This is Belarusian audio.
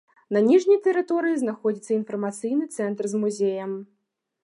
На ніжняй тэрыторыі знаходзіцца інфармацыйны цэнтр з музеем.